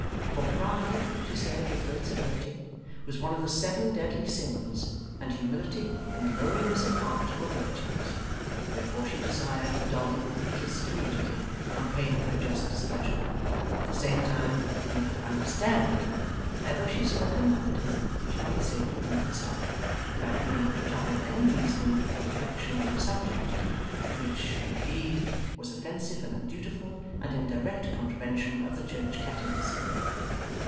For pride, she said with great severity, was one of the seven deadly sins, and humility and lowliness of heart were virtues. Wherefore she desired that Dolly would be kissed immediately, on pain of her just displeasure; at the same time giving her to understand that whatever she saw her mother do, she might safely do herself, without being at the trouble of any reasoning or reflection on the subject which, indeed, was offensive and undutiful, and in direct contravention of the church catechism.